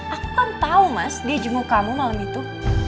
aku kan tahu mas dia jenguk kamu malam itu